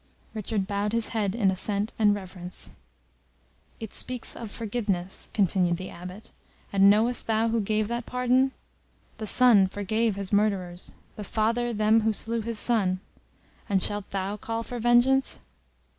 Richard bowed his head in assent and reverence. "It speaks of forgiveness," continued the Abbot. "And knowest thou who gave that pardon? The Son forgave His murderers; the Father them who slew His Son. And shalt thou call for vengeance?"